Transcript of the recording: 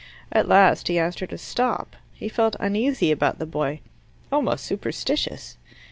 At last he asked her to stop. He felt uneasy about the boy almost superstitious.